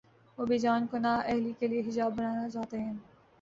وہ ہیجان کو نا اہلی کے لیے حجاب بنانا چاہتے ہیں۔